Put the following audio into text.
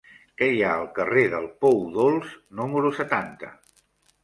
Què hi ha al carrer del Pou Dolç número setanta?